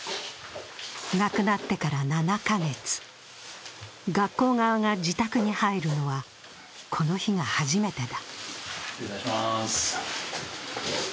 亡くなってから７か月、学校側が自宅に入るのはこの日が初めてだ。